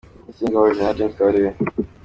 Minisitiri w’Ingabo : Gen Kabarebe James